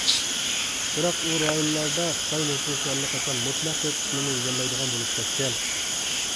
بىراق ئۇ رايونلاردا خىتاي نوپۇسى ئاللىقاچان مۇتلەق كۆپ قىسىمنى ئىگىلەيدىغان بولۇپ كەتكەن.